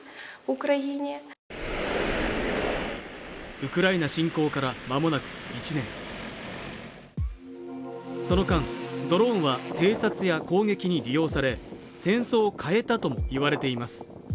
ウクライナ侵攻からまもなく１年その間ドローンは偵察や攻撃に利用され戦争を変えたともいわれています